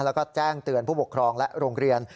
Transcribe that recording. แล้วก็แจ้งเตือนผู้ปกครองและโรงเรียน